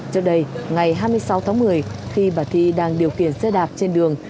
trước đây ngày hai mươi sáu tháng một mươi khi bà thi đang điều khiển xe đạp trên đường